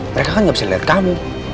mereka kan gak bisa liat kamu